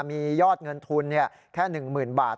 มียอดเงินทุนแค่๑๐๐๐บาท